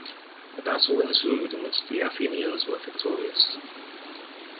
A battle ensued in which the Athenians were victorious.